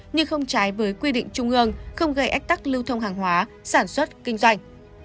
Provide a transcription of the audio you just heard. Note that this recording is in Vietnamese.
nhưng không trái với quy định trung ương không gây ách tắc lưu thông hàng hóa sản xuất kinh doanh